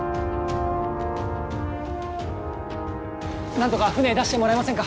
何とか船出してもらえませんか？